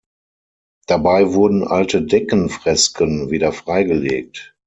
Dabei wurden alte Deckenfresken wieder freigelegt.